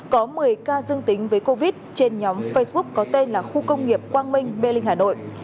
có một mươi ca dương tính với covid trên nhóm facebook có tên là khu công nghiệp quang minh mê linh hà nội